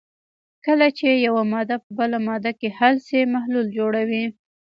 کله چې یوه ماده په بله ماده کې حل شي محلول جوړوي.